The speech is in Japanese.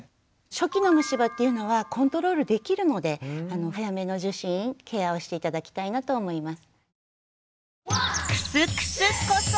初期の虫歯っていうのはコントロールできるので早めの受診ケアをして頂きたいなと思います。